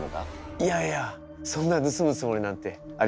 いやいやそんな盗むつもりなんてありませんよ。